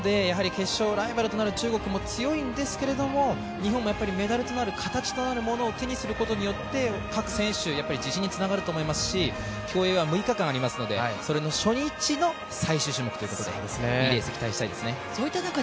なので決勝、ライバルとなる中国も強いんですけれども、日本もメダルとなる形となるものを手にすることによって、各選手、自信につながると思いますし競泳は６日間ありますのでその初日の最終種目ということでいいレース期待したいですね。